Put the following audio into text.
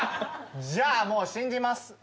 じゃあもう信じます